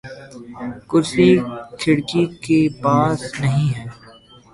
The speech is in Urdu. کرسی کھڑکی کے پاس نہیں ہے